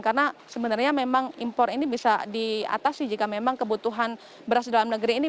karena sebenarnya memang impor ini bisa diatasi jika memang kebutuhan beras dalam negeri ini